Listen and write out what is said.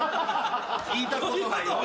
聞いたことないわ。